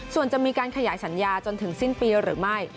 ส่วนจะมีการขยายสัญญาจนถึงสิ้นปีหรือไม่